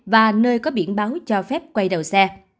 và nơi có biển báo cho phép quay đầu xe